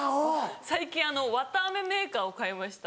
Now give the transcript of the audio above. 最近わたあめメーカーを買いました。